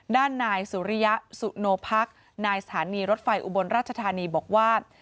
ด้านนายสุริยะสุโนพักนายสถานีรถไฟอุบลราชธานีบอกว่า